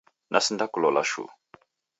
Nasindakulola shuu.